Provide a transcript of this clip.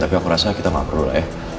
tapi aku rasa kita gak perlu lah ya